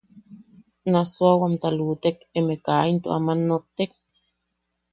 –¿Nassuawamta luʼutek emeʼe kaa into aman nottek?